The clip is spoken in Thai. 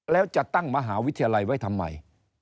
แล้วจะตั้งมหาวิทยาลัยไว้ทำไม